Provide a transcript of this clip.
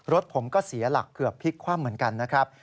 รถผมก็เสียหลักเกือบพลิกคว่ำเหมือนกันนะครับ